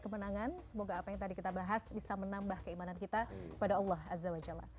kemenangan semoga apa yang tadi kita bahas bisa menambah keimanan kita pada allah azza wa jalla